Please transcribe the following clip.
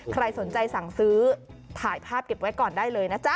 ใครสนใจสั่งซื้อถ่ายภาพเก็บไว้ก่อนได้เลยนะจ๊